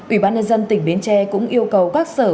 ubnd tỉnh biên tre cũng yêu cầu các sở